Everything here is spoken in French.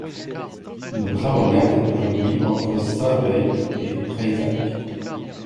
Notre avant-garde est aujourd'hui entre Saint-Veit et Freisach.